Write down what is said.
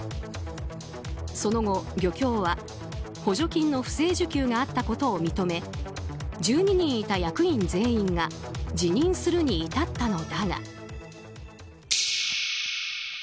その後、漁協は補助金の不正受給があったことを認め１２人いた役員全員が辞任するに至ったのだが。